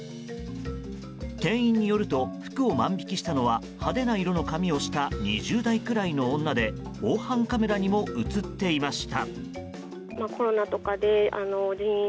店員によると服を万引きしたのは派手な色の髪をした２０代くらいの女で防犯カメラにも映っていました。